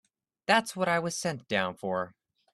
That's what I was sent down for.